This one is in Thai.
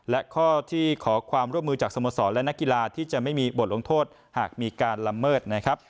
และข้อที่ขอความร่วมมือจากสโมสรและนักกีฬาที่จะไม่มีบทลงโทษหากมีการละเมิดนะครับ